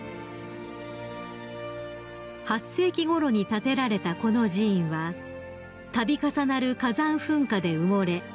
［８世紀ごろに建てられたこの寺院は度重なる火山噴火で埋もれ